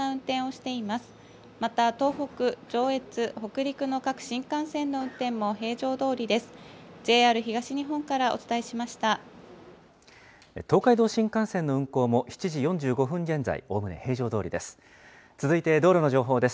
東海道新幹線の運行も７時４５分現在、おおむね平常どおりです。